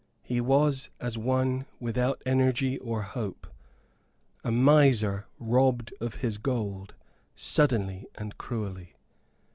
He was as one without energy or hope; a miser robbed of his gold, suddenly and cruelly.